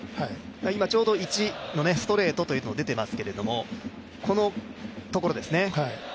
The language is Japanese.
ちょうど１のストレートというのが出ていますけどもこのところですね。